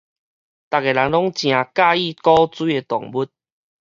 逐个人攏誠佮意古錐的動物